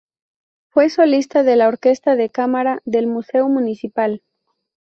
Fue solista de la Orquesta de Cámara del Museo Municipal.